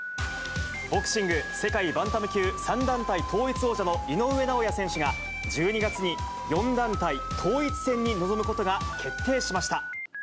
ボクシング世界バンタム級３団体統一王者の井上尚弥選手が、１２月に４団体統一戦に臨むことが決定しました。